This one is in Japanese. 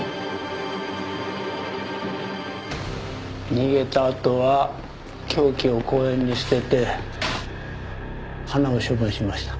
逃げたあとは凶器を公園に捨てて花を処分しました。